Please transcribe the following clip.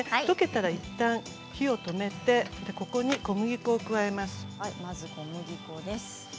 溶けたら、いったん火を止めてここに小麦粉を加えます。